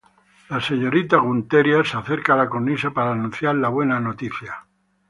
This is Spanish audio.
La señorita Gunther se acerca a la cornisa para anunciar la buena noticia.